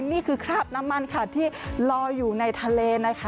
นี่คือคราบน้ำมันที่ลอยอยู่ในทะเล